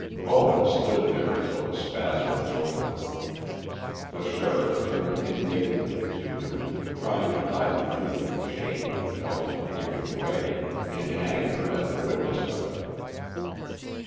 Bowen stood there until the spasm was over. The sheriff turned indignantly to him, trying to hide the feeling of shame he felt at giving way, in anger at the witness of it.